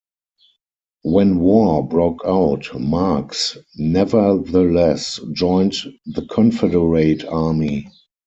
When war broke out, Marks nevertheless joined the Confederate Army.